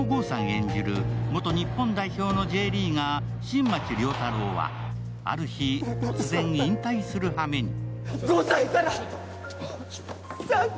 演じる元日本代表のＪリーガー・新町亮太郎はある日、突然引退するはめに。